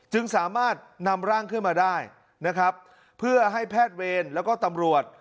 จึงสามารถนำร่างขึ้นมาได้นะครับเพื่อให้แพทย์เวรแล้วก็ตำรวจ